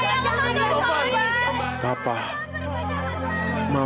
karena kamu tidak pasti